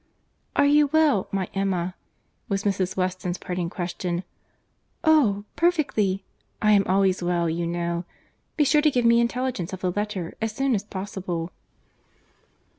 "Are you well, my Emma?" was Mrs. Weston's parting question. "Oh! perfectly. I am always well, you know. Be sure to give me intelligence of the letter as soon as possible."